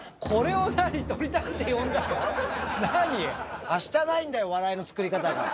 はしたないんだよ、笑いの作り方が。